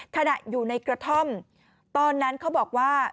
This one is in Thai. ขณะอยู่ในกระท่อมตอนนั้นเขาบอกว่า